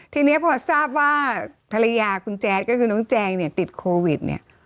ทีนี้พอทราบว่าภรรยาคุณแจ๊ดก็คือน้องแจงเนี่ยติดโควิดเนี่ย